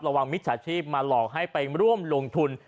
ระวังมิตรสหายชีพมาหลอกให้ไปร่วมลงทุน